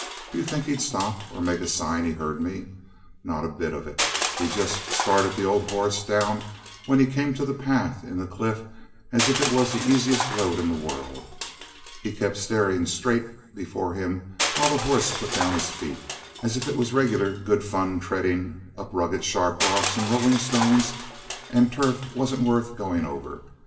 Do you think he'd stop or make a sign he heard me? Not a bit of it. He just started the old horse down when he came to the path in the cliff as if it was the easiest road in the world. He kept staring straight before him while the horse put down his feet, as if it was regular good fun treading up rugged sharp rocks and rolling stones, and turf wasn't worth going over.